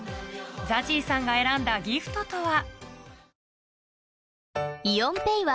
ＺＡＺＹさんが選んだギフトとは？